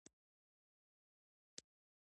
د افریقا خلکو هم د هویت پر تله د سیاست کړې.